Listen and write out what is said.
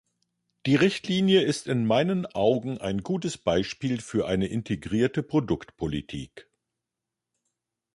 Die Richtlinie ist in meinen Augen ein gutes Beispiel für eine integrierte Produktpolitik.